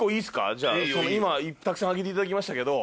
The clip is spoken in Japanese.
じゃあ今たくさん挙げていただきましたけど。